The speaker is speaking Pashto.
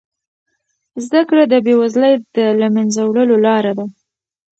زده کړه د بې وزلۍ د له منځه وړلو لاره ده.